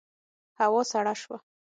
هوا سړه شوه.